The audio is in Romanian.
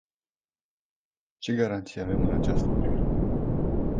Ce garanții avem în această privință?